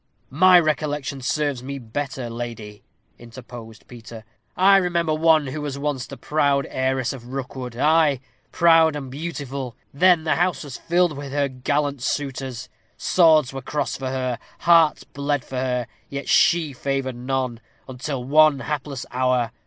"My recollection serves me better, lady," interposed Peter. "I remember one who was once the proud heiress of Rookwood ay, proud and beautiful. Then the house was filled with her gallant suitors. Swords were crossed for her. Hearts bled for her. Yet she favored none, until one hapless hour.